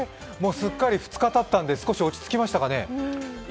すっかり２日たったんで、少し落ち着きましたかね？